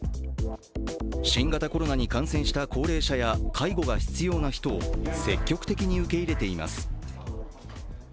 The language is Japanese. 新型コロナに感染した高齢者や介護が必要な人を積極的に受け入れています。